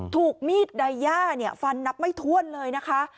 ถูกมีดไดย่าฟันนับไม่ถ้วนเลยนะคะ